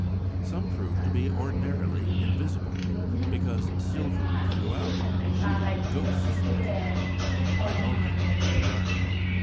Some prove to be ordinarily invisible, because silvery throughout "sheeted ghosts," as it were, met only in the dark.